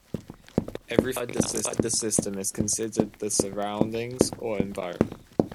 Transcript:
Everything outside the system is considered the surroundings or environment.